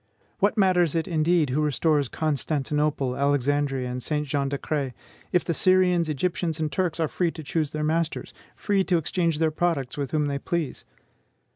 What matters it, indeed, who restores Constantinople, Alexandria, and Saint Jean d'Acre, if the Syrians, Egyptians, and Turks are free to choose their masters; free to exchange their products with whom they please?